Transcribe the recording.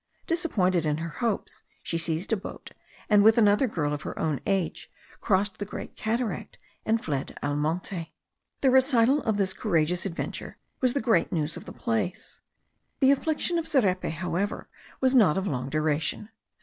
Disappointed in her hopes, she seized a boat, and with another girl of her own age, crossed the Great Cataract, and fled al monte. The recital of this courageous adventure was the great news of the place. The affliction of Zerepe, however, was not of long duration.